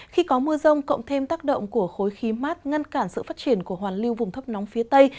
khi có mưa rông cộng thêm tác động của khối khí mát ngăn cản sự phát triển của hoàn lưu vùng thấp nóng phía tây